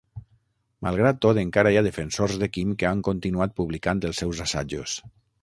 Malgrat tot, encara hi ha defensors de Kim que han continuat publicant els seus assajos.